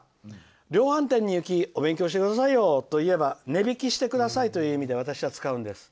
量販店に行きお勉強してくださいって言えば値引きしてくださいと言う意味で私は使うんです」。